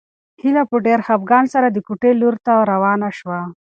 هیله په ډېر خپګان سره د کوټې لوري ته روانه شوه.